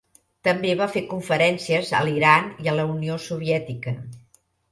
També va fer conferències a l'Iran i a la Unió Soviètica.